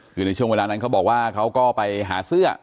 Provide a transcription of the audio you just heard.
คือในช่วงเวลานั้นเขาบอกว่าเขาก็ไปหาเสื้อ